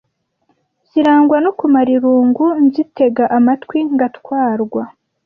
Zirangwa no kumara irungu Nzitega amatwi ngatwarwa